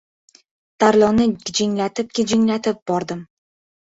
Tarlonni gijinglatib-gijinglatib bordim.